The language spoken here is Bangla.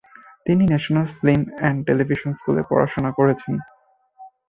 তিনি ন্যাশনাল ফিল্ম এন্ড টেলিভিশন স্কুলে পড়াশোনা করেছেন।